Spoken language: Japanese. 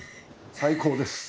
最高です。